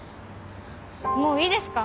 もういいですか？